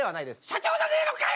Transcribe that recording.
「社長じゃねえのかよ！」。